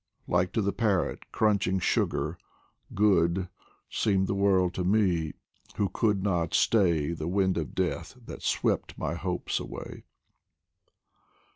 Like to the parrot crunching sugar, good Seemed the world to me who could not stay The wind of Death that swept my hopes away.